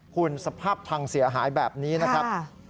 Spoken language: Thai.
คุณสภาพพังเสียหายแบบนี้นะครับ